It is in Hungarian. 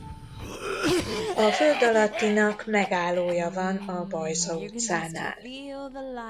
A földalattinak megállója van a Bajza utcánál.